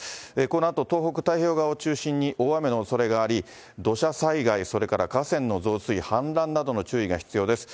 このあと東北太平洋側を中心に、大雨のおそれがあり、土砂災害、それから河川の増水、氾濫などの注意が必要です。